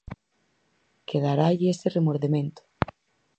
Quedaralle ese remordemento.